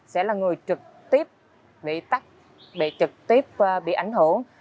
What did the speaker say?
sẽ là người trực tiếp bị tắt bị trực tiếp bị ảnh hưởng